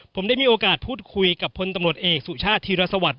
ผมได้มีโอกาสพูดคุยกับพลตำรวจเอกสุชาติธีรสวัสดิ